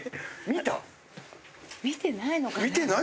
見てないのかな。